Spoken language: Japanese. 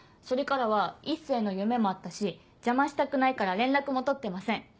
それからは一星の夢もあったし邪魔したくないから連絡も取ってません。